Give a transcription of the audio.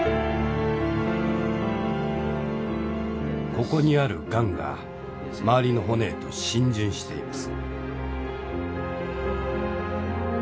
ここにあるがんが周りの骨へと浸潤しています。